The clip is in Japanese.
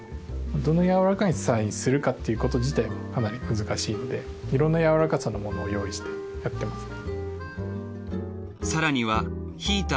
どの柔らかさにするかってこと自体かなり難しいんでいろんな柔らかさのものを用意してやってますね。